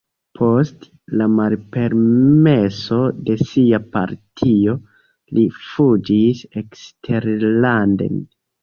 Post la malpermeso de sia partio li fuĝis eksterlanden.